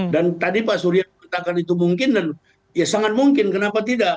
dan tadi pak surya katakan itu mungkin dan ya sangat mungkin kenapa tidak